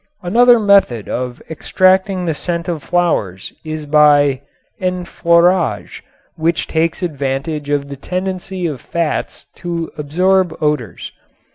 Another method of extracting the scent of flowers is by enfleurage, which takes advantage of the tendency of fats to absorb odors.